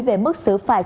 về mức xử phạt